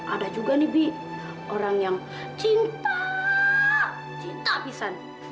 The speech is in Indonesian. ada juga nih bi orang yang cinta cinta bisa